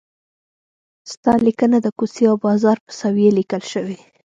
ستا لیکنه د کوڅې او بازار په سویې لیکل شوې.